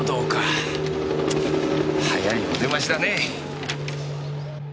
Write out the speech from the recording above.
早いお出ましだね。